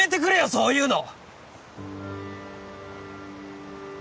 そういうの！